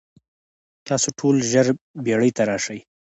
تاسو ټول ژر بیړۍ ته راشئ.